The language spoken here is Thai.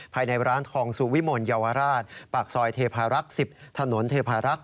ภายในร้านทองสุวิมลเยาวราชปากซอยเทพารักษ์๑๐ถนนเทพารักษ